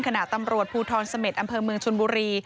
ขณะตำรวจภูทรเสม็ดอำเภอเมืองชนบุรี